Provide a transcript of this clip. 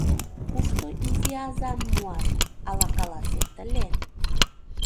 Кушто изи азам муаш, ала каласет ыле?